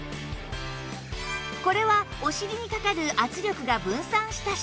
これはお尻にかかる圧力が分散した証拠